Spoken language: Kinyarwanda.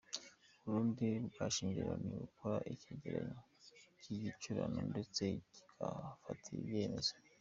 U Burundi bwashinje Loni gukora icyegeranyo cy’igicurano ndetse kitanafite ibimenyetso.